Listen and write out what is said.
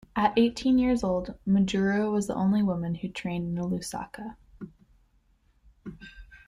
At eighteen years old, Mujuru was the only woman who trained in Lusaka.